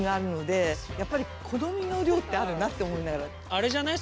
あれじゃない？